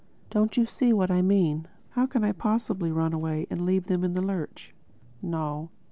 Don't you see what I mean?—How can I possibly run away and leave them in the lurch?... No.